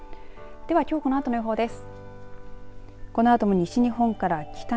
ではきょうこのあとの予報です。